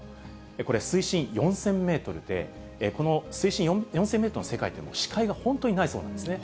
これ、水深４０００メートルで、この水深４０００メートルの世界っていうのは、視界が本当にないそうなんですね。